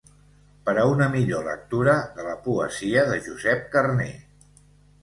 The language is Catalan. «Per a una millor lectura de la poesia de Josep Carner».